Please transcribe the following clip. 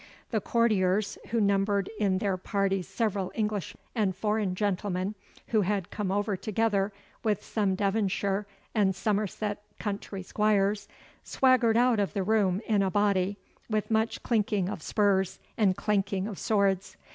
The courtiers, who numbered in their party several English and foreign gentlemen, who had come over together with some Devonshire and Somerset country squires, swaggered out of the room in a body, with much clinking of spurs and clanking of swords.